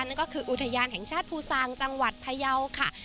นั่นก็คืออุทยานแห่งชาติภูซางจังหวัดพยาวค่ะ